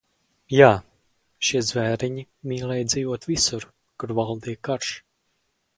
"Jā, šie "zvēriņi" mīlēja dzīvot visur, kur valdīja karš."